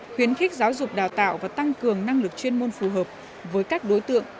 khuyến khích giáo dục đào tạo và tăng cường năng lực chuyên môn phù hợp với các đối tượng